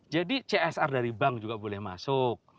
jadi csr dari bank juga boleh masuk